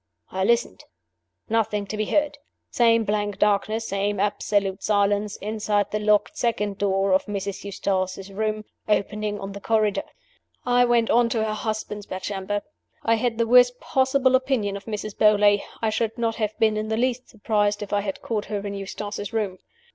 I listened. Nothing to be heard. Same blank darkness, same absolute silence, inside the locked second door of Mrs. Eustace's room, opening on the corridor. I went on to her husband's bedchamber. I had the worst possible opinion of Mrs. Beauly I should not have been in the least surprised if I had caught her in Eustace's room.